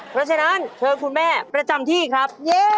เพราะฉะนั้นเชิญคุณแม่ประจำที่ครับ